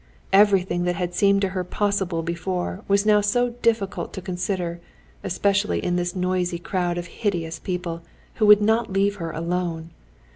Everything that had seemed to her possible before was now so difficult to consider, especially in this noisy crowd of hideous people who would not leave her alone.